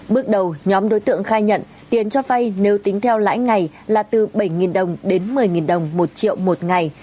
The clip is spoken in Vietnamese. bước đầu nhóm đối tượng khai nhận tiền cho vay nếu tính theo lãi ngày là từ bảy đồng đến một mươi đồng một triệu một ngày